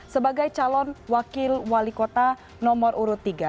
sebagai calon wakil wali kota nomor urut tiga